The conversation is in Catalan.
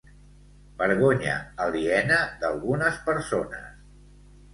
Vergonya aliena d'algunes persones